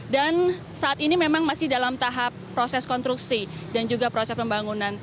dan saat ini memang masih dalam tahap proses konstruksi dan juga proses pembangunan